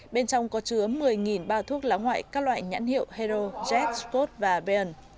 bên trong có chứa một mươi bao thuốc láng ngoại các loại nhãn hiệu hero jet code và bn